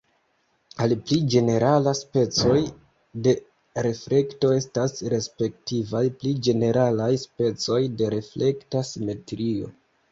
Al pli ĝenerala specoj de reflekto estas respektivaj pli ĝeneralaj specoj de reflekta simetrio.